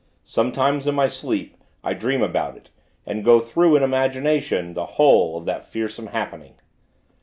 Sometimes, in my sleep, I dream about it, and go through, in imagination, the whole of that fearsome happening.